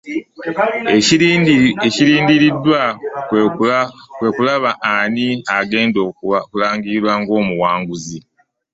Ekirindiriddwa kwe kulaba ani agenda okulangirirwa ng'omuwanguzi